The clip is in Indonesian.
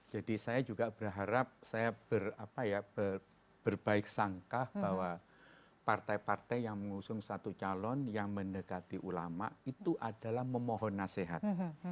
saya juga berharap saya berbaik sangka bahwa partai partai yang mengusung satu calon yang mendekati ulama itu adalah memohon nasihat